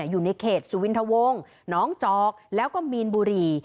อยู่ในเขตสุวินทวงน้องจอกแล้วก็มีนบุรี